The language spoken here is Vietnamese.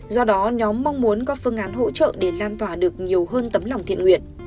do đó nhóm mong muốn có phương án hỗ trợ để lan tỏa được nhiều hơn tấm lòng thiện nguyện